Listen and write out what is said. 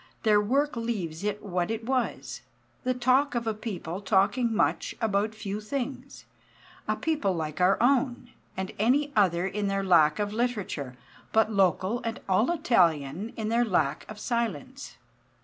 Their work leaves it what it was the talk of a people talking much about few things; a people like our own and any other in their lack of literature, but local and all Italian in their lack of silence.